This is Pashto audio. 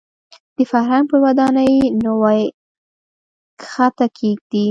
د فرهنګ پر ودانۍ نوې خښته کېږدي.